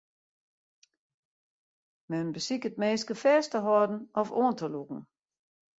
Men besiket minsken fêst te hâlden of oan te lûken.